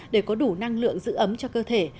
để có đủ năng lượng giữ ấm cho cơ thể